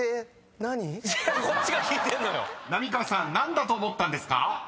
［浪川さん何だと思ったんですか？］